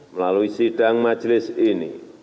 melalui sidang majelis ini